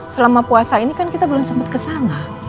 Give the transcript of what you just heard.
selama puasa ini kan kita belum sempat kesana